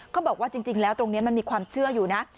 เขาบอกว่าจริงแล้วตรงนี้มันมีความเชื่ออยู่นะ